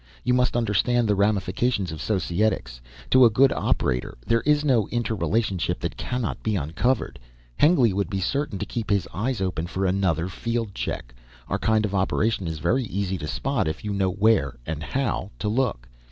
You must understand the ramifications of Societics. To a good operator there is no interrelationship that cannot be uncovered. Hengly would be certain to keep his eyes open for another field check. Our kind of operation is very easy to spot if you know where and how to look.